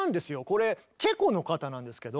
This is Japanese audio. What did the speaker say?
これチェコの方なんですけど。